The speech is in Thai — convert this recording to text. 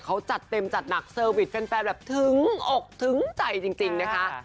เขาจัดเต็มจัดหนักเซอร์วิสแฟนแบบถึงอกถึงใจจริงนะคะ